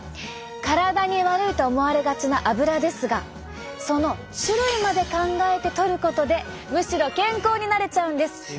体に悪いと思われがちなアブラですがその種類まで考えてとることでむしろ健康になれちゃうんです。